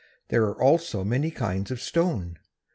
There are also many kinds of stone.